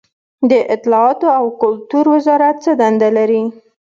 د اطلاعاتو او کلتور وزارت څه دنده لري؟